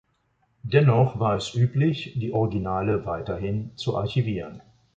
Dennoch war es üblich, die Originale weiterhin zu archivieren.